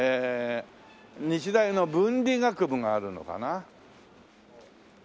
日大の文理学部があるのかな？